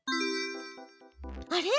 あれ？